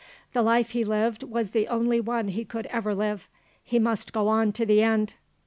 The life he lived was the only one he could ever live; he must go on to the end.